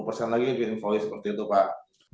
dua puluh persen lagi di invoice seperti itu pak